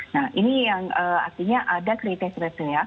nah ini yang artinya ada kritis kritis ya